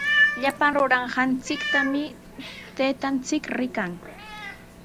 Llapan ruranqanchiktami taytanchik rikan.